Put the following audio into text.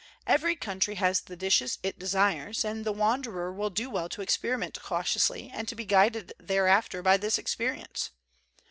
Every country has the dishes it desires; and the wan derer will do well to experiment cautiously and to be guided thereafter by this experience.